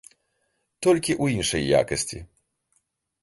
Толькі ў іншай якасці.